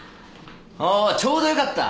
ああちょうどよかった。